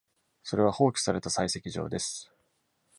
それは放棄された採石場です。